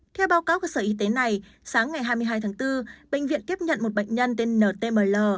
theo báo cáo của sở y tế này sáng ngày hai mươi hai tháng bốn bệnh viện tiếp nhận một bệnh nhân tên ntmll